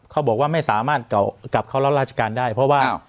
เขาบอกว่าไม่สามารถกลับเข้ารับราชการได้เพราะว่า